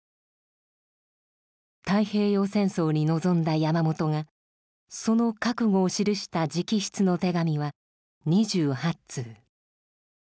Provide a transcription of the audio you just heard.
太平洋戦争に臨んだ山本がその覚悟を記した直筆の手紙は２８通。